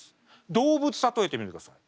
動物例えてみてください。